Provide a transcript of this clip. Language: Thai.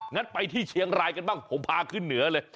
งั้นไปที่เชียงรายกันบ้างผมพาขึ้นเหนือเลย